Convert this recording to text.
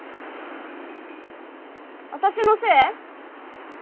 私のせい？